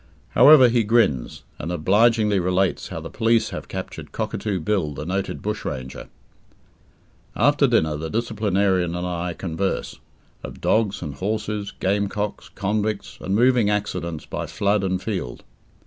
However, he grins, and obligingly relates how the police have captured Cockatoo Bill, the noted bushranger. After dinner the disciplinarian and I converse of dogs and horses, gamecocks, convicts, and moving accidents by flood and field.